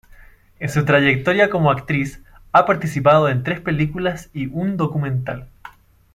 En su trayectoria como actriz, ha participado en tres películas y un documental.